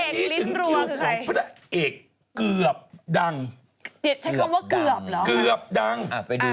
เห็นผีดีเห็นผี